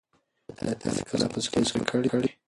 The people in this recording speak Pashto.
ایا تاسي کله په سټیج خبرې کړي دي؟